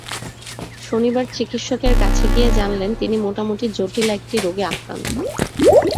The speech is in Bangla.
শনিবার চিকিৎসকের কাছে গিয়ে জানলেন তিনি মোটামুটি জটিল একটি রোগে আক্রান্ত।